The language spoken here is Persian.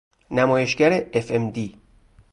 نمایشگر ام اف دی